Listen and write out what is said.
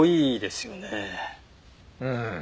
うん。